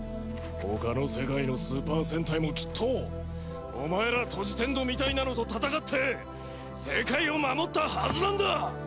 他の世界のスーパー戦隊もきっとお前らトジテンドみたいなのと戦って世界を守ったはずなんだ！